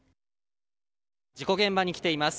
事故現場に来ています。